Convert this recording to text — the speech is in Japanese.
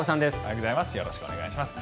よろしくお願いします。